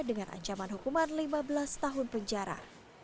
dengan ancaman hukuman lima belas tahun penjara